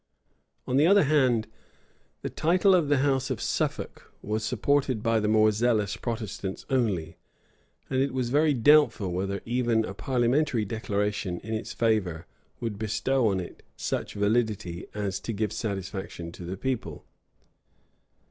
On the other hand, the title of the house of Suffolk was supported by the more zealous Protestants only; and it was very doubtful whether even a parliamentary declaration in its favor would bestow on it such validity as to give satisfaction to the people.